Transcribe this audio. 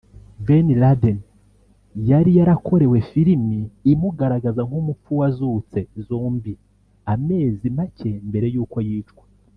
Ben Laden yari yarakorewe filimi imugaragaza nk’umupfu wazutse (Zombie) amezi make mbere y’uko yicwa